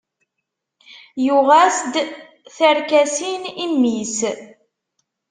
Yuɣ-as-d tarkasin i mmi-s.